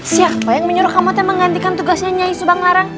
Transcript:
siapa yang menyuruh kamu menggantikan tugasnya nyai subang larang